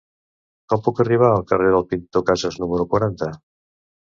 Com puc arribar al carrer del Pintor Casas número quaranta?